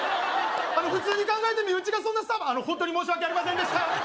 普通に考えて身内がそんなホントに申し訳ありませんでした！